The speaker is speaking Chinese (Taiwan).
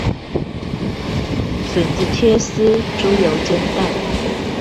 筍子切絲，豬油煎蛋